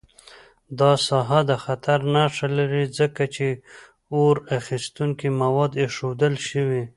دا ساحه د خطر نښه لري، ځکه چې اور اخیستونکي مواد ایښودل شوي.